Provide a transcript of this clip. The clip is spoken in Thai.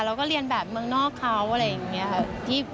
เราก็เรียนแบบเมืองนอกเขาอะไรอย่างนี้ค่ะ